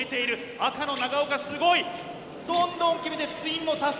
赤の長岡すごい！どんどん決めてツインも達成！